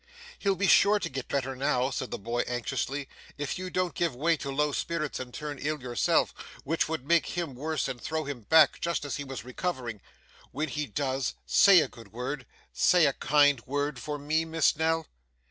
'He'll be sure to get better now,' said the boy anxiously, 'if you don't give way to low spirits and turn ill yourself, which would make him worse and throw him back, just as he was recovering. When he does, say a good word say a kind word for me, Miss Nell!